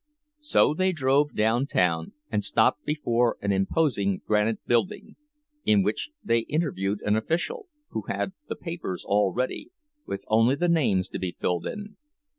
So they drove downtown and stopped before an imposing granite building, in which they interviewed an official, who had the papers all ready, with only the names to be filled in.